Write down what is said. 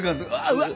うわっ！